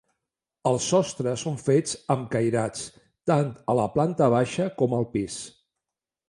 Els sostres són fets amb cairats, tant a la planta baixa com al pis.